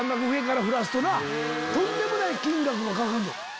とんでもない金額もかかるの。